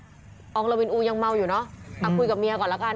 องลาวินอูยังเมาอยู่เนอะคุยกับเมียก่อนแล้วกัน